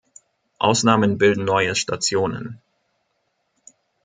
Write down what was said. Ausnahmen bilden neue Stationen.